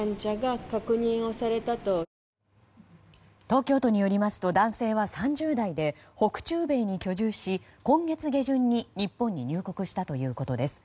東京都によりますと男性は３０代で北中米に居住し、今月下旬に日本に入国したということです。